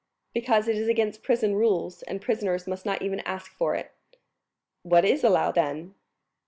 "Because it is against prison rules, and prisoners must not even ask for it." "What is allowed, then?"